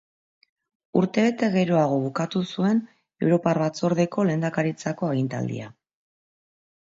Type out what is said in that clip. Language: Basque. Urtebete geroago bukatu zuen Europar Batzordeko lehendakaritzako agintaldia.